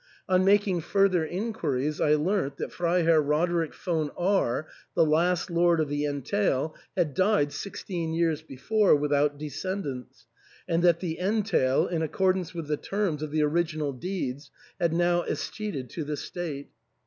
On making further inquiries I learnt that Freiherr Roderick von R , the last lord of the entail, had died sixteen years before without descend ants, and that the entail in accordance with the terms of the original deeds had now escheated to the state.